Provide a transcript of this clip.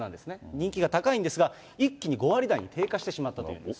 人気が高いんですが、一気に５割台に低下してしまったというんです。